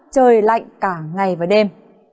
trời lạnh cả ngày và đêm